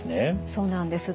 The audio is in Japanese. そうなんです。